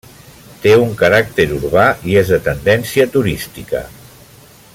Té un caràcter urbà i és de tendència turística.